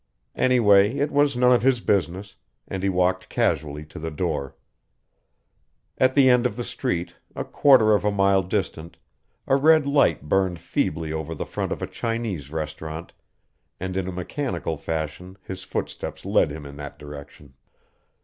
Anyway it was none of his business, and he walked casually to the door. At the end of the street, a quarter of a mile distant, a red light burned feebly over the front of a Chinese restaurant, and in a mechanical fashion his footsteps led him in that direction.